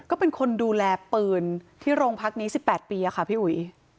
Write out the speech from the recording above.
ก็เป็นคนดูแลปืนที่โรงพักนี้๑๘ปีค่ะพี่อุ๋ย